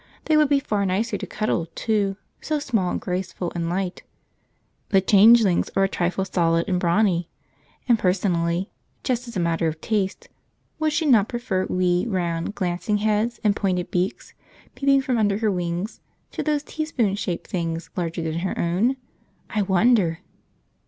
They would be far nicer to cuddle, too, so small and graceful and light; the changelings are a trifle solid and brawny. And personally, just as a matter of taste, would she not prefer wee, round, glancing heads, and pointed beaks, peeping from under her wings, to these teaspoon shaped things larger than her own? I wonder!